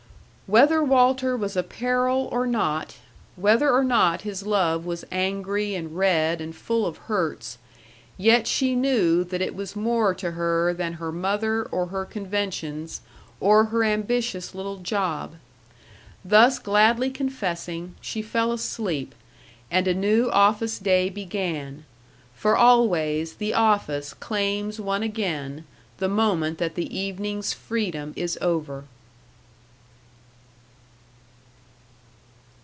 Whether Walter was a peril or not, whether or not his love was angry and red and full of hurts, yet she knew that it was more to her than her mother or her conventions or her ambitious little job. Thus gladly confessing, she fell asleep, and a new office day began, for always the office claims one again the moment that the evening's freedom is over.